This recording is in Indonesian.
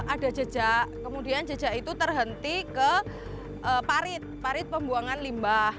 ada jejak kemudian jejak itu terhenti ke parit parit pembuangan limbah